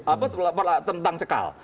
apa pelaporan tentang cekal